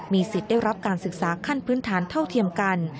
สิทธิ์ได้รับการศึกษาขั้นพื้นฐานเท่าเทียมกัน